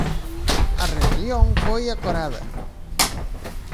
A rebelión foi acorada.